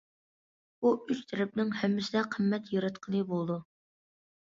بۇ ئۈچ تەرەپنىڭ ھەممىسىدە قىممەت ياراتقىلى بولىدۇ.